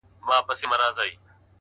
د ژوند رنګونه له لیدلوري بدلېږي؛